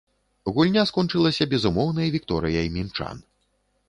Гульня скончылася безумоўнай вікторыяй мінчан.